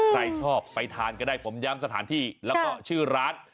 ใครชอบไปทานก็ได้ผมย้ำสถานที่แล้วก็ชื่อร้าน